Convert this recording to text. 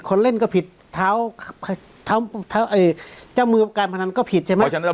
คนเล่นก็ผิดเท้าเจ้ามือการพนันก็ผิดใช่ไหม